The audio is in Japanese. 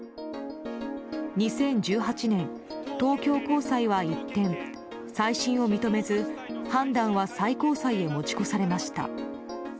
２０１８年、東京高裁は一転再審を認めず判断は最高裁へ持ち越されました。